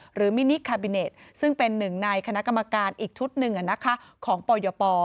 มินิคาบิเน็ตซึ่งเป็นหนึ่งในคณะกรรมการอีกชุดหนึ่งของปยป